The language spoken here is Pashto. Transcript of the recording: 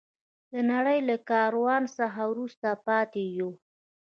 د نړۍ له کاروان څخه وروسته پاتې یو.